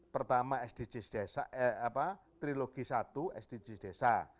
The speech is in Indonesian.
pertama sdgs desa eh apa trilogi satu sdgs desa